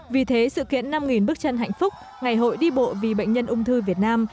vì thế sự kiện năm bước chân hạnh phúc ngày hội đi bộ vì bệnh nhân ung thư việt nam